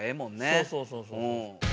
そうそうそうそうそう。